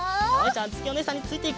あづきおねえさんについていくぞ。